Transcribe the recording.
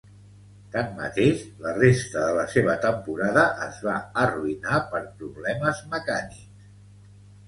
Tanmateix, la resta de la seva temporada es va arruïnar per problemes mecànics.